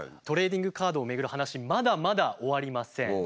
トレーディングカードを巡る話まだまだ終わりません。